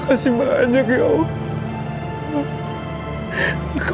saya sedang proses producesnya biasa